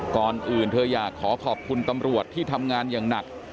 ก่อนอื่นเธออยากขอขอบคุณตำรวจที่ทำงานอย่างหนัก